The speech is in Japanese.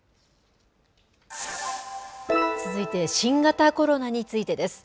続いて新型コロナについてです。